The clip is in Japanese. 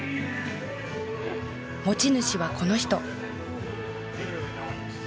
持ち主はこの人。